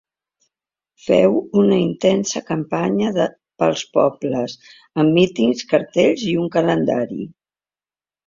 Feu una intensa campanya pels pobles, amb mítings, cartells i un calendari.